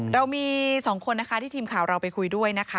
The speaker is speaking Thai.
เรามี๒คนนะคะที่ทีมข่าวเราไปคุยด้วยนะคะ